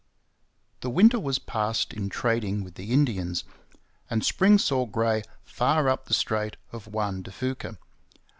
] The winter was passed in trading with the Indians, and spring saw Gray far up the Strait of Juan de Fuca.